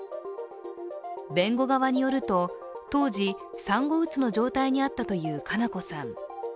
弁護側によると当時、産後うつの状態にあったという佳菜子さん。